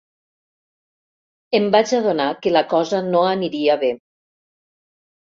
Em vaig adonar que la cosa no aniria bé.